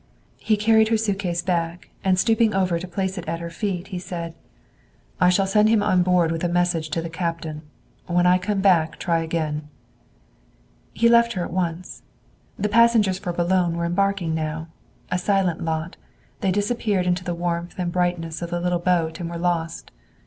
He carried her suitcase back, and stooping over to place it at her feet he said: "I shall send him on board with a message to the captain. When I come back try again." He left her at once. The passengers for Boulogne were embarking now. A silent lot, they disappeared into the warmth and brightness of the little boat and were lost.